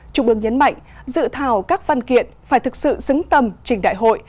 trung ương nhấn mạnh dự thảo các văn kiện phải thực sự xứng tầm trên đại hội